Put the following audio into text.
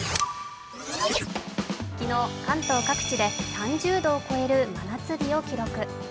昨日関東各地で３０度を超える真夏日を記録。